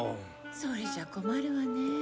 それじゃ困るわね。